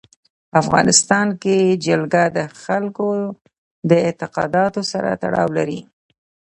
په افغانستان کې جلګه د خلکو د اعتقاداتو سره تړاو لري.